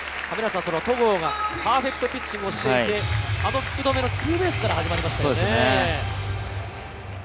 戸郷がパーフェクトピッチングをしていて、あの福留のツーベースから始まりましたね。